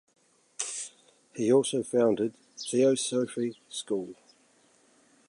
He also founded Theosophy School.